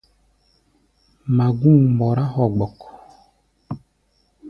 Magú̧u̧ mbɔrá hogbok.